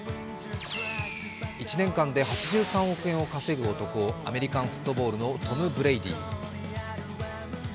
１年間で８３億円を稼ぐ男アメリカンフットボールのトム・ブレイデイ。